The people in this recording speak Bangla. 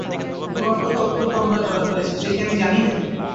তোমার প্রতি অত্যন্ত অন্যায় হয়েছে, সে কি আমি জানি নে।